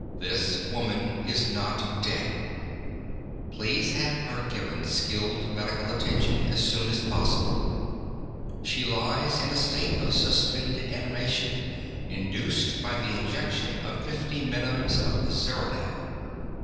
"This woman is not dead. Please have her given skilled medical attention as soon as possible. She lies in a state of suspended animation, induced by the injection of fifty minims of zeronel.